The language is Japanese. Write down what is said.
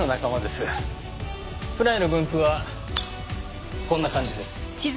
府内の分布はこんな感じです。